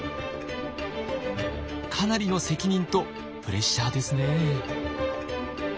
かなりの責任とプレッシャーですね。